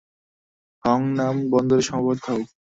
হাংনাম বন্দরে সমবেত হও।